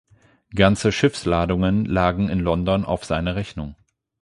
Ganze Schiffsladungen lagen in London auf seine Rechnung.